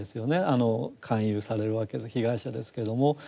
勧誘されるわけで被害者ですけども。